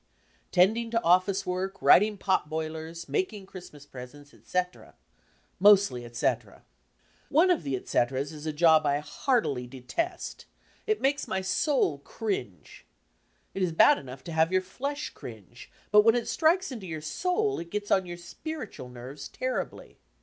Tending to office work, wridng pot boilers, making Christmas presents, etc., mosdy etc. Oneofthe"etcs." is a job I heartily detest. It makes my soul cringe. It is bad enough to have your flesh cringe, but when it strikes into your soul it gets on your spiritual nerves terribly.